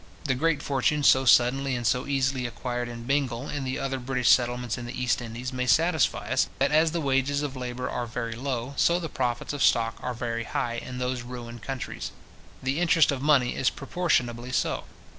The great fortunes so suddenly and so easily acquired in Bengal and the other British settlements in the East Indies, may satisfy us, that as the wages of labour are very low, so the profits of stock are very high in those ruined countries. The interest of money is proportionably so.